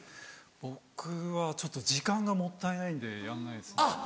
僕は時間がもったいないんでやんないですね。